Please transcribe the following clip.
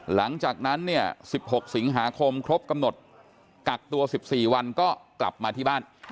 หลังจากนั้นเนี่ย๑๖สิงหาคมครบกำหนดกักตัว๑๔วันก็กลับมาที่บ้าน